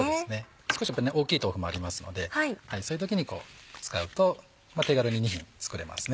少し大きい豆腐もありますのでそういう時に使うと手軽に２品作れますね。